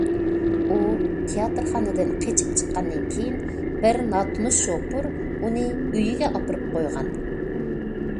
ئۇ تىياتىرخانىدىن قېچىپ چىققاندىن كېيىن، بىر ناتونۇش شوپۇر ئۇنى ئۆيىگە ئاپىرىپ قويغان.